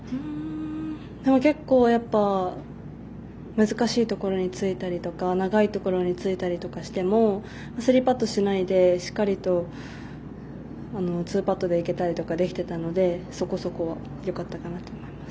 結構難しいところについたりとか長いところについたりとかしても３パットしないでしっかりと２パットでいけたりとかできてたのでそこそこ、よかったかなと思います。